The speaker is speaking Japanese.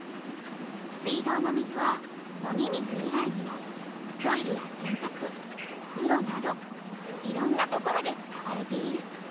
水道の水は飲み水いがいにもトイレやせんたくおふろなどいろんなところで使われている。